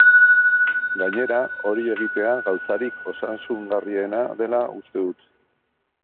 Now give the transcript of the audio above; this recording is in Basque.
Gainera, hori egitea gauzarik osasungarriena dela uste dut.